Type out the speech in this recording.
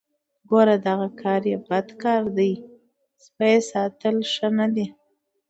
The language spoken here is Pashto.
ګوره دغه یې بد کار دی سپی ساتل ښه نه دي.